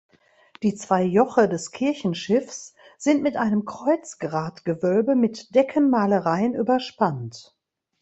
Die zwei Joche des Kirchenschiffs sind mit einem Kreuzgratgewölbe mit Deckenmalereien überspannt.